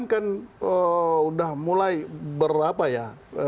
kan sudah mulai berapa ya